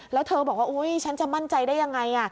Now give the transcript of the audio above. แล้วเธอบอกว่าอุ๊ยฉันจะมั่นใจได้ยังไง